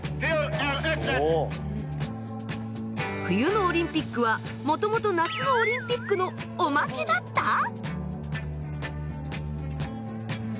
冬のオリンピックはもともと夏のオリンピックのおまけだった！？